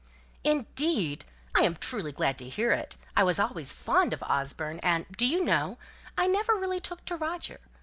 "Indeed! I am truly glad to hear it. I always was fond of Osborne; and, do you know, I never really took to Roger?